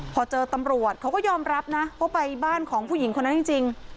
พอเจอตำรวจเขาก็ยอมรับนะว่าไปบ้านของผู้หญิงคนนั้นจริง